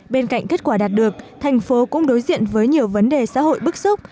bên cạnh kết quả đạt được thành phố cũng đối diện với nhiều vấn đề xã hội bức xúc